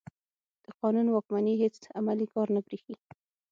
د قانون واکمني هېڅ عملي کار نه برېښي.